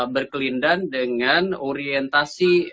berkelindan dengan orientasi